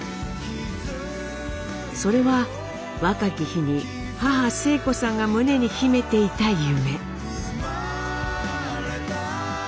それは若き日に母晴子さんが胸に秘めていた夢。